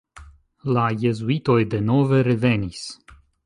La jezuitoj denove revenis.